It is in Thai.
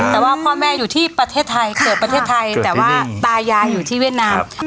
แต่ว่าพ่อแม่อยู่ที่ประเทศไทยเกิดประเทศไทยแต่ว่าตายายอยู่ที่เวียดนาม